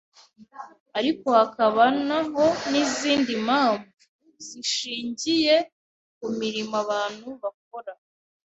ariko hakabanaho n’izindi mpamvu zishingiye ku mirimo abantu bakora.”